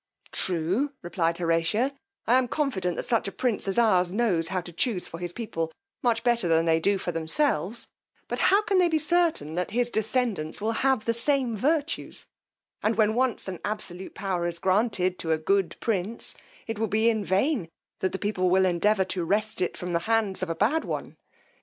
True, replied Horatio, I am confident that such a prince as ours knows how to chuse for his people much better than they do for themselves; but how can they be certain that his descendants will have the same virtues; and when once an absolute power is granted to a good prince, it will be in vain that the people will endeavour to wrest it from the hands of a bad one.